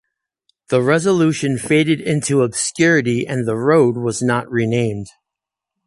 The resolution faded into obscurity and the road was not renamed.